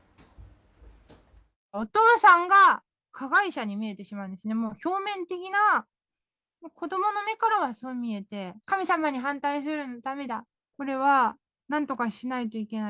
お父さんが加害者に見えてしまうんですね、もう表面的な、子どもの目からはそう見えて、神様に反対するのだめだ、それはなんとかしないといけない。